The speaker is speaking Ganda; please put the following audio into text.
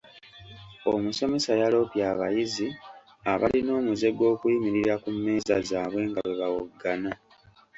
Omusomesa yaloopye abayizi abalina omuze gw'okuyimirira ku mmeeza zaabwe nga bwe bawoggana.